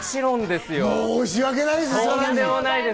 申しわけないです。